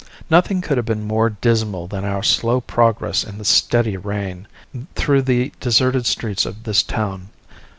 Nothing could have been more dismal than our slow progress in the steady rain, through the deserted streets of this town.